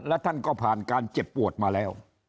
และท่านก็ผ่านการเจ็บปวดมาแล้ว